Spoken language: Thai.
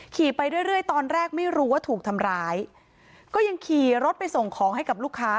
ไปเรื่อยเรื่อยตอนแรกไม่รู้ว่าถูกทำร้ายก็ยังขี่รถไปส่งของให้กับลูกค้า